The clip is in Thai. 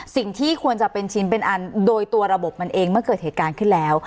สิ่งที่ควรจะเป็นชิ้นเป็นอันโดยตัวระบบมันเองเมื่อเกิดเหตุการณ์ขึ้นแล้ว